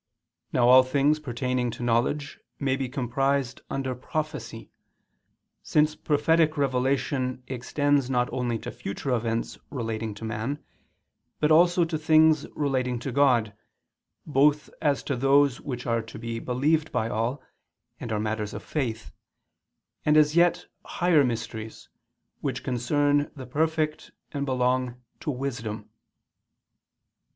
Now all things pertaining to knowledge may be comprised under prophecy, since prophetic revelation extends not only to future events relating to man, but also to things relating to God, both as to those which are to be believed by all and are matters of faith, and as to yet higher mysteries, which concern the perfect and belong to _wisdom.